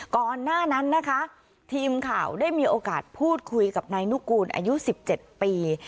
ก่อนหน้านั้นนะคะทีมข่าวได้มีโอกาสพูดคุยกับนายนุกูลอายุ๑๗ปี